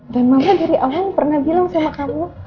dan mama dari awal pernah bilang sama kamu